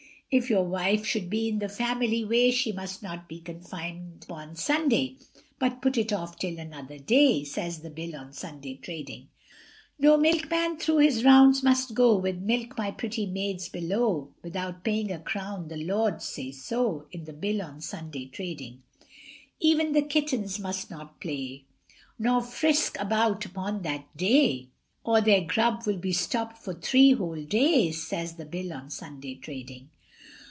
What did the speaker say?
If your wife should be in the family way, She must not be confined upon Sunday, But put it off till another day, Says the Bill on Sunday trading. No milkman through his rounds must go, With milk, my pretty maids, below! Without paying a crown, the Lords say so, In the Bill on Sunday trading. Even the kittens must not play, Nor frisk about upon that day, Or their grub will be stopped for three whole days, Says the Bill on Sunday trading.